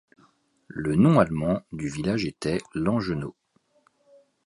Le nom allemand du village était Langenau.